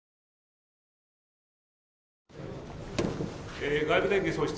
え外部電源喪失。